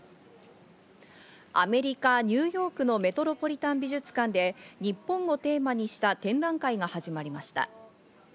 アメリカ・ニューヨークのメトロポリタン美術館で日本をテーマにした展覧会が始まりました。